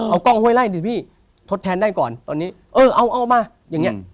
เอากล้องห้วยไล่ดิพี่ทดแทนได้ก่อนตอนนี้เออเอาเอามาอย่างเงี้ย